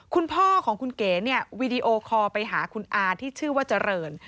คุณพ่อของคุณเก๋เนี่ยวีดีโอคอลไปหาคุณอาที่ชื่อว่าเจริญ